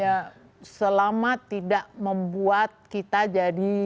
ya selama tidak membuat kita jadi